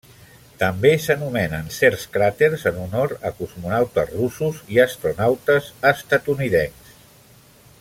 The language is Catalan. També s'anomenen certs cràters en honor a cosmonautes russos i astronautes estatunidencs.